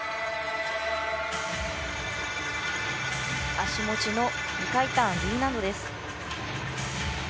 足持ちの２回ターンＤ難度です。